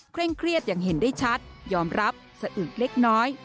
เร่งเครียดอย่างเห็นได้ชัดยอมรับสะอึกเล็กน้อย